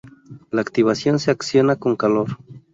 La activación se acciona con calor.